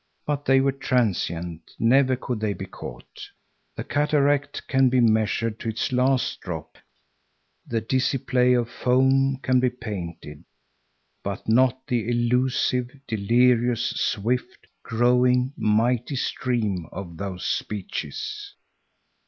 But they were transient, never could they be caught. The cataract can be measured to its last drop, the dizzy play of foam can be painted, but not the elusive, delirious, swift, growing, mighty stream of those speeches.